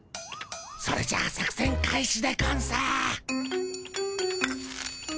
それじゃあ作せん開始でゴンス。